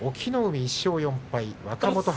隠岐の海、１勝４敗若元